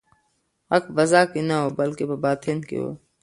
غږ په فضا کې نه و بلکې په باطن کې و.